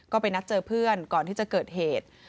ก็ไปนัดเจอเพื่อนก่อนที่จะเกิดเหตุ